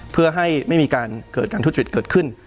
เพื่อให้ไม่มีการเกิดการทุจริตเกิดขึ้น